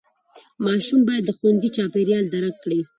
ماشوم باید د ښوونځي چاپېریال درک کړي.